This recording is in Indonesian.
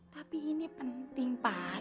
tapi ini penting pak